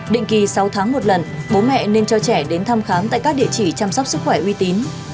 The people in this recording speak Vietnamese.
định kỳ sáu tháng một lần bố mẹ nên cho trẻ đến thăm khám tại các địa chỉ chăm sóc sức khỏe uy tín